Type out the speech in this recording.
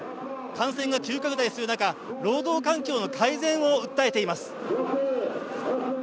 感染が急拡大する中労働環境の改善を訴えています